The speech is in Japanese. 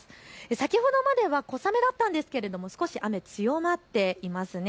先ほどまでは小雨だったんですが少し雨、強まっていますね。